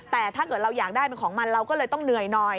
แต่ถ้าเกิดเราอยากได้เป็นของมันเราก็เลยต้องเหนื่อยหน่อย